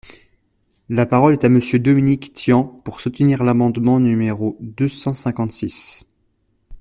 La parole est à Monsieur Dominique Tian, pour soutenir l’amendement numéro deux cent cinquante-six.